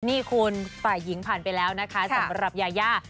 นี่คุณฝ่ายหญิงผ่านไปแล้วนะคะสำหรับยายา